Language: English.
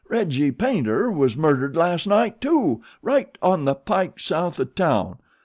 "Reggie Paynter was murdered last night, too; right on the pike south of town.